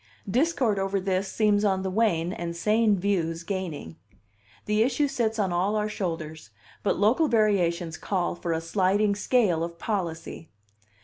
Discord over this seems on the wane, and sane views gaining. The issue sits on all our shoulders, but local variations call for a sliding scale of policy.